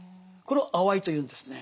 これを「あわい」というんですね。